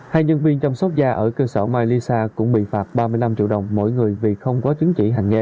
hai nhân viên chăm sóc da ở cơ sở mailisa cũng bị phạt ba mươi năm triệu đồng mỗi người vì không có chứng chỉ hành nghề